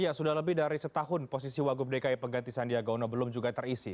ya sudah lebih dari setahun posisi wagub dki pengganti sandiaga uno belum juga terisi